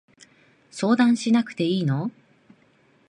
相談しなくていいの？